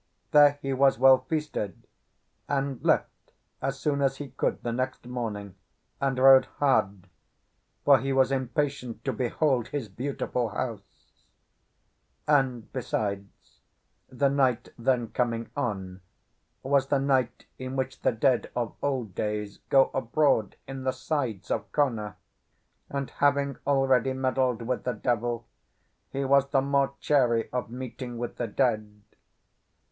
There he was well feasted; and left as soon as he could the next morning, and rode hard, for he was impatient to behold his beautiful house; and, besides, the night then coming on was the night in which the dead of old days go abroad in the sides of Kona; and having already meddled with the devil, he was the more chary of meeting with the dead.